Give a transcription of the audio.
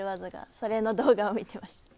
それの動画を見てました。